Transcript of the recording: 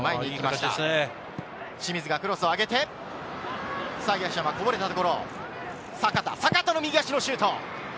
清水がクロスを上げて、東山こぼれたところ、阪田澪哉の右足のシュート！